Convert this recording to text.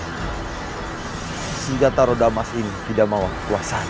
hai sudah taruh damai sini tidak mau kekuasaan